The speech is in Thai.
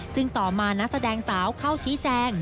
ซึ่งต่อมานักแสดงสาวเข้าชี้แจง